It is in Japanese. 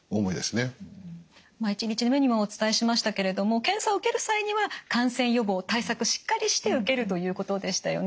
まあ１日目にもお伝えしましたけれども検査を受ける際には感染予防対策しっかりして受けるということでしたよね。